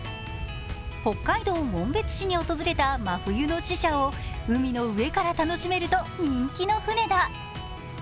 北海道紋別市に訪れた真冬の使者を海の上から楽しめると人気の船だ。